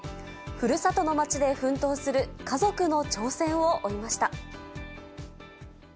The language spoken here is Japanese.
ふるさとの町で奮闘する家族の挑戦を追いました。